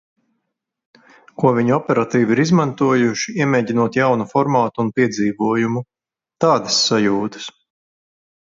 Ko viņi operatīvi ir izmantojuši, iemēģinot jaunu formātu un piedzīvojumu. Tādas sajūtas.